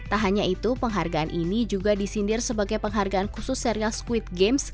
tak hanya itu penghargaan ini juga disindir sebagai penghargaan khusus serial squid games